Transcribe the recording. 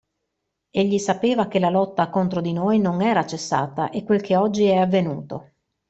Egli sapeva che la lotta contro di noi non era cessata e quel che oggi è avvenuto.